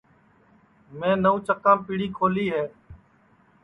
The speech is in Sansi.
میں نوں چکام پیڑی کھولی ہے